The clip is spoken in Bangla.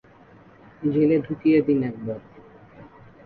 জেলে ডুকিয়ে দিন একবার।